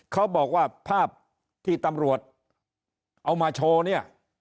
เขาบอกว่าภาพที่ตำรวจเอามาโชว์เนี่ย